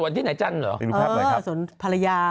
ส่วนที่ไหนจันทร์หรือครับอยู่รูปภาพเลยครับส่วนภรรยา